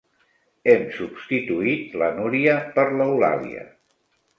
Hem substituït la Núria per l'Eulàlia.